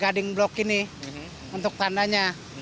guding block ini untuk tandanya